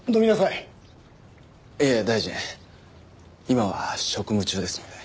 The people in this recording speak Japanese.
いえ大臣今は職務中ですので。